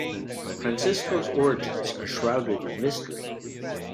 Francisco's origins are shrouded in mystery.